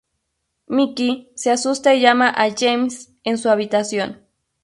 Mikey se asusta y llama a James en su habitación.